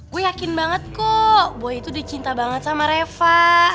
gue yakin banget kok gue itu udah cinta banget sama reva